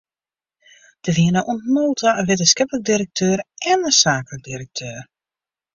Der wienen oant no ta in wittenskiplik direkteur en in saaklik direkteur.